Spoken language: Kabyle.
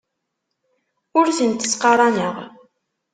Ur tent-ttqaraneɣ.